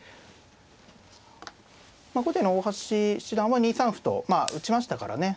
後手の大橋七段は２三歩とまあ打ちましたからね